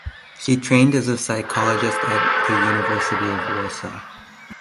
She trained as a psychologist at the University of Warsaw.